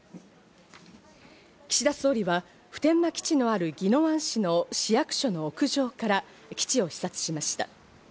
岸田総理は普天間基地のある宜野湾市の市役所の屋上から基地を視察しました。